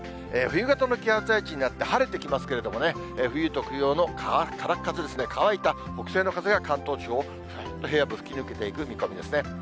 冬型の気圧配置になって、晴れてきますけれどもね、冬特有のからっ風ですね、乾いた北西の風が関東地方を平野部、吹き抜けていく見込みですね。